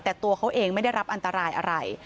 แต่ตัวเขาเองไม่ได้รับอันตรายอะไร